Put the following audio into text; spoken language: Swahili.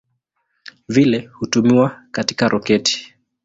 Vile hutumiwa katika roketi.